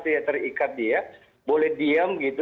dia terikat boleh diam